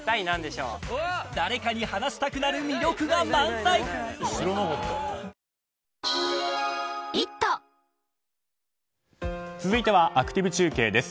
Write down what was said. ぷっ事実「特茶」続いてはアクティブ中継です。